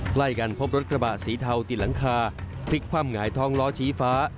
ใกล้กันพบรถกระบะสีเทาติดหลังคาพลิกคว่ำหงายท้องล้อชี้ฟ้า